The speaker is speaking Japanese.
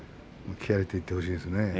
気合い入れていってほしいですね。